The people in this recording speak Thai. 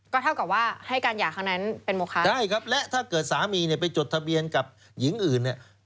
ก็เท่ากับว่าให้การหย่าครั้งนั้นเป็นโมคะใช่ครับและถ้าเกิดสามีเนี่ยไปจดทะเบียนกับหญิงอื่นเนี่ย